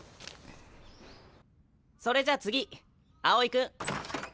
それじゃ次青井君。